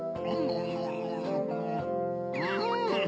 うん！